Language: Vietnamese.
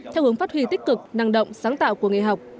theo hướng phát huy tích cực năng động sáng tạo của nghề học